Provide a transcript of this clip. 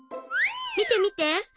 みてみて！